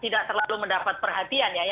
tidak terlalu mendapat perhatian